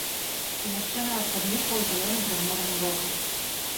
І яшчэ нават падміргваў зялёным прыжмураным вокам.